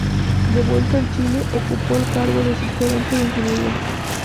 De vuelta en Chile ocupó el cargo de subgerente de Ingeniería.